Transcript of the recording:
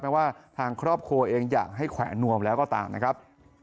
ว่าทางครอบครัวเองอยากให้แขวนนวมแล้วก็ตามนะครับ